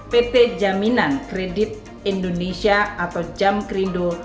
pt jaminan kredit indonesia atau jamkrindo